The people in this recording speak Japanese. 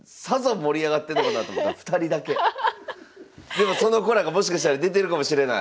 でもその子らがもしかしたら出てるかもしれない！